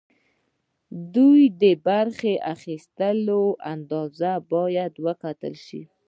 دوی د برخې اخیستلو اندازه باید وکتل شي.